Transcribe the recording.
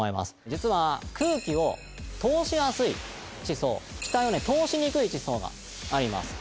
実は空気を通しやすい地層気体を通しにくい地層があります。